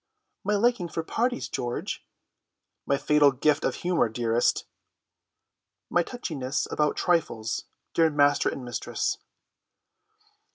"My liking for parties, George." "My fatal gift of humour, dearest." "My touchiness about trifles, dear master and mistress."